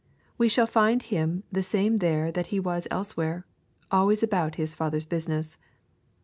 We shall find Him the same there that He was elsewhere, always about His Father's business.